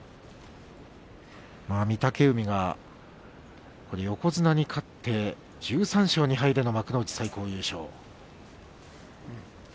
御嶽海が横綱に勝って１３勝２敗での幕内最高優勝。